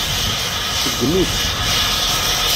Tseggem-itt.